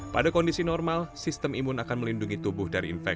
pada kondisi normal sistem imun akan melindungi tubuh dari infeksi